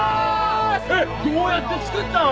えっどうやって造ったん？